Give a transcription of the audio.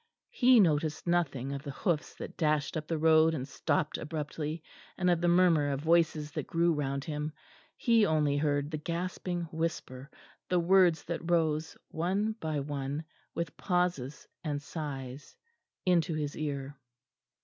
He noticed nothing of the hoofs that dashed up the road and stopped abruptly, and of the murmur of voices that grew round him; he only heard the gasping whisper, the words that rose one by one, with pauses and sighs, into his ear....